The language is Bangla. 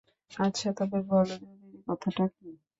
আচ্ছা তবে বলো জরুরি কথাটা কী?